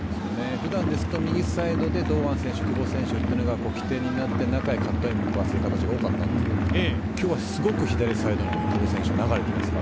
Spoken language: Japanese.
普段ですと右サイドで堂安選手、久保選手が起点になってカットインが多かったんですが、今日はすごく左サイドに流れています。